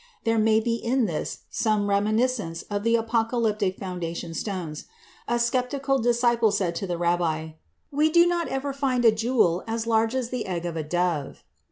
There may be in this some reminiscence of the Apocalyptic foundation stones. A sceptical disciple said to the Rabbi, "We do not ever find a jewel as large as the egg of a dove."